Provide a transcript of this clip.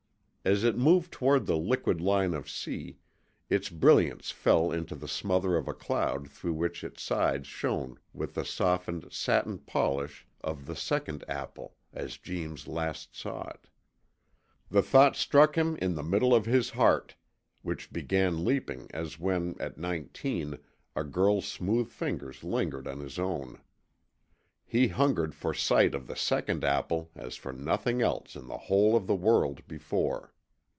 As it moved toward the liquid line of sea, its brilliance fell into the smother of a cloud through which its sides shone with the softened, satin polish of the second apple as Jeems last saw it. The thought struck him in the middle of his heart, which began leaping as when, at nineteen, a girl's smooth fingers lingered on his own. He hungered for sight of the second apple as for nothing else in the whole of the world before.